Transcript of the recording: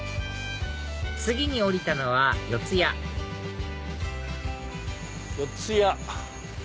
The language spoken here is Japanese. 次に降りたのは四ツ谷四ツ谷。